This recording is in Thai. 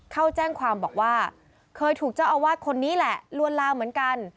เข้าแจ้งความบอกว่าเคยถูกเจ้าอาวาสคนนี้แหละลวนลามเหมือนกัน